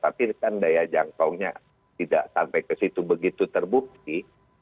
tapi kan daya jangkaunya tidak sampai ke situ begitu terbukti